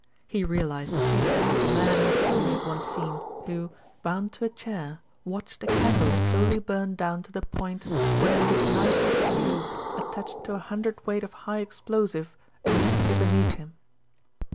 He realised the feel ings of the man in a film he had once seen who, bound to a chair, watched a candle slowly burn down to the point when it would ignite a fuse attached to a hun dredweight of High Explosive immediately beneath him.